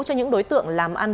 cho những đối tượng làm ăn